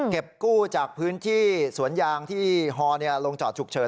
กู้จากพื้นที่สวนยางที่ฮอลงจอดฉุกเฉิน